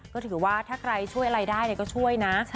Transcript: ก็ถือว่าถ้าใครช่วยอะไรได้ก็ช่วยนะ